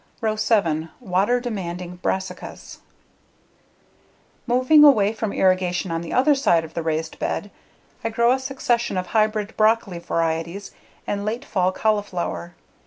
Row 7: Water Demanding Brassicas Moving away from irrigation on the other side of the raised bed, I grow a succession of hybrid broccoli varieties and late fall cauliflower.